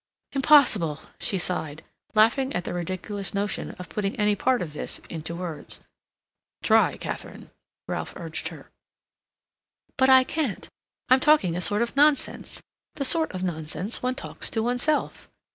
"Impossible," she sighed, laughing at the ridiculous notion of putting any part of this into words. "Try, Katharine," Ralph urged her. "But I can't—I'm talking a sort of nonsense—the sort of nonsense one talks to oneself."